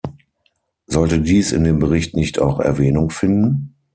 Sollte dies in dem Bericht nicht auch Erwähnung finden?